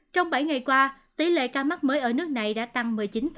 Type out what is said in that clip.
trong bảy ngày qua tỷ lệ ca mắc mới ở nước này đã tăng một mươi chín